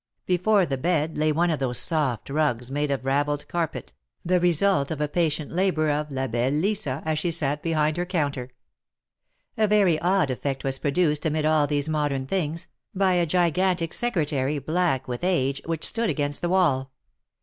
Before the bed lay one of those soft rugs made of ravelled carpet, the result of the patient labor of belle Lisa," as she sat behind her counter. A very odd eflect was produced amid all these modern things, by a gigantic Secretary, black with age, which stood against the wall.